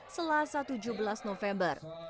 selasa tujuh belas november